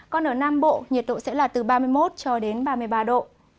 còn ở nam bộ nhiệt độ sẽ là từ ba mươi một cho đến ba mươi ba độ